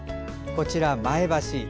こちら、前橋。